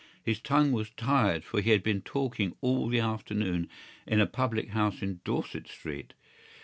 His tongue was tired for he had been talking all the afternoon in a public house in Dorset Street.